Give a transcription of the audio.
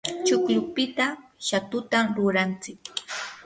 chuklupita shatutam rurantsik.